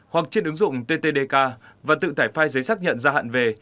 hoặc trên ứng dụng ttdk và tự tải file giấy xác nhận gia hạn về